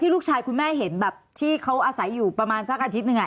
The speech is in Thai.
ลูกชายคุณแม่เห็นแบบที่เขาอาศัยอยู่ประมาณสักอาทิตย์หนึ่ง